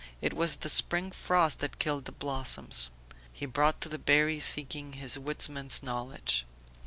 "It was the spring frosts that killed the blossoms." He brought to the berry seeking his woodsman's knowledge.